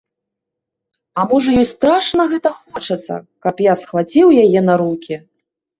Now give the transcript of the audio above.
А можа ёй страшна гэта хочацца, каб я схваціў яе на рукі?